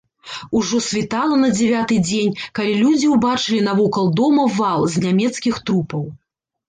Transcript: Ужо світала на дзевяты дзень, калі людзі ўбачылі навокал дома вал з нямецкіх трупаў.